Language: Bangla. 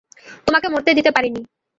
তোমাকে মরতে দিতে পারিনি।